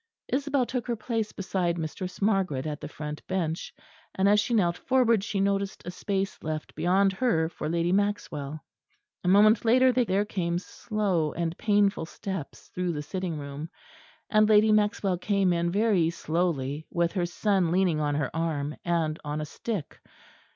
Isabel took her place beside Mistress Margaret at the front bench; and as she knelt forward she noticed a space left beyond her for Lady Maxwell. A moment later there came slow and painful steps through the sitting room, and Lady Maxwell came in very slowly with her son leaning on her arm and on a stick.